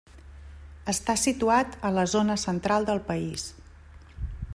Està situat a la zona central del país.